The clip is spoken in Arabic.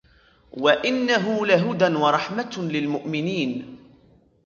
وَإِنَّهُ لَهُدًى وَرَحْمَةٌ لِلْمُؤْمِنِينَ